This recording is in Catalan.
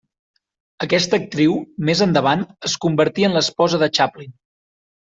Aquesta actriu més endavant es convertí en l’esposa de Chaplin.